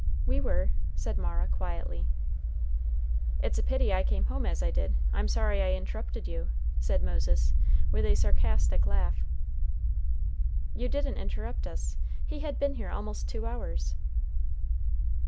"We were," said Mara, quietly. "It's a pity I came home as I did. I'm sorry I interrupted you," said Moses, with a sarcastic laugh. "You didn't interrupt us; he had been here almost two hours."